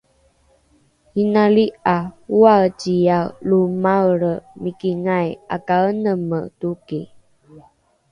inali ’a oaeciae lo maelre mikingai ’akaeneme toki